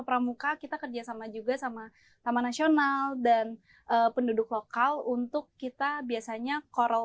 pramuka kita kerjasama juga sama taman nasional dan penduduk lokal untuk kita biasanya coral